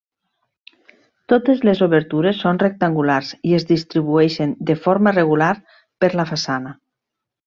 Totes les obertures són rectangulars i es distribueixen de forma regular per la façana.